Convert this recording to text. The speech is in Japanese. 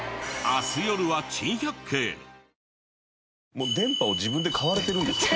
もう電波を自分で買われてるんですか？